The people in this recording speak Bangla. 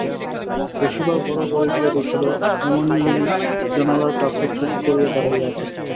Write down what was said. বসিবার বড়ো ঘরে গিয়া দেখিল হেমনলিনী জানালার কাছে চুপ করিয়া দাঁড়াইয়া আছে।